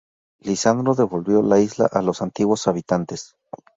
Lisandro devolvió la isla a los antiguos habitantes.